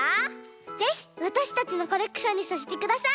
ぜひわたしたちのコレクションにさせてください。